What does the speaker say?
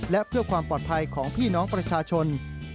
และเพื่อความปลอดภัยของพี่น้องประชาชน